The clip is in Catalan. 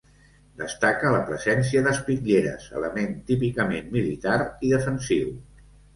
Destaca la presència d'espitlleres, element típicament militar i defensiu.